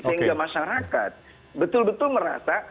sehingga masyarakat betul betul merasa